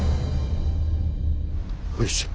よいしょ。